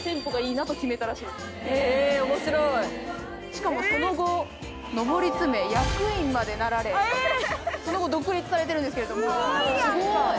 しかもその後のぼりつめ役員までなられその後独立されてるんですけれどもスゴいやんか！